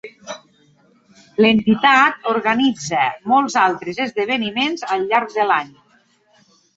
L'entitat organitza molts altres esdeveniments al llarg de l'any.